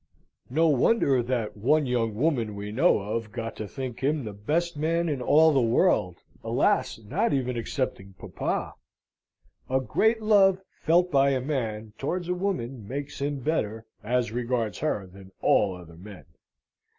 No wonder that one young woman we know of got to think him the best man in all the world alas! not even excepting papa. A great love felt by a man towards a woman makes him better, as regards her, than all other men.